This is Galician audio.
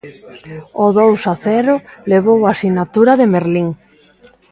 O dous a cero levou a sinatura de Merlín.